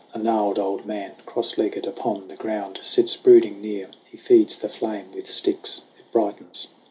A gnarled old man, cross legged upon the ground, Sits brooding near. He feeds the flame with sticks ; It brightens.